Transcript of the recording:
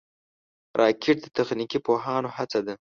راکټ د تخنیکي پوهانو هڅه ده